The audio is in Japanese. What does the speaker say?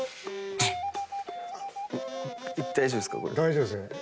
大丈夫です。